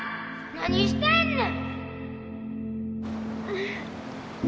何してんねん！